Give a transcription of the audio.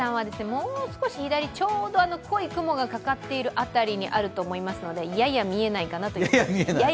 もう少し左、ちょうど濃い雲がかかっている辺りにあると思いますのでやや見えないかなという。